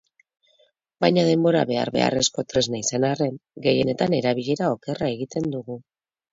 Baina denbora behar-beharrezko tresna izan arren, gehienetan erabilera okerra egiten dugu.